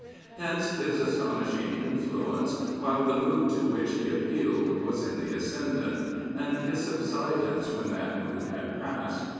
Hence his astonishing influence while the mood to which he appealed was in the ascendant, and his subsidence when that mood had passed.